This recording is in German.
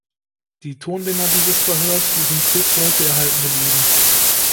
Die Tonbänder dieses Verhörs sind bis heute erhalten geblieben.